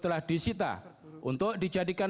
telah disita untuk dijadikan